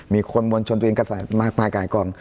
มีคนมวลชนตัวเองกระสาทมากมายกายกรรม